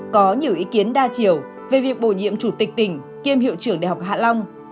có nhiều ý kiến đa chiều về việc bổ nhiệm chủ tịch tỉnh kiêm hiệu trưởng đại học hạ long